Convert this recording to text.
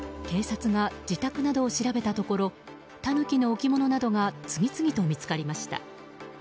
警察が自宅などを調べたところタヌキの置き物などが次々と見つかりました。